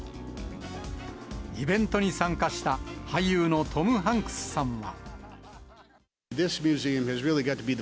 イベントに参加した俳優のトム・ハンクスさんは。